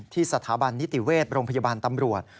สถาบันนิติเวชโรงพยาบาลตำรวจ